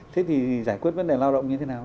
thế thì giải quyết vấn đề lao động như thế nào